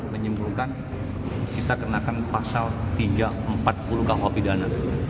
menyimpulkan kita kenakan pasal tiga ratus empat puluh kuh pidana